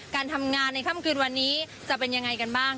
การทำงานในข้ามคลิปวันนี้จะเป็นยังไงบ้าง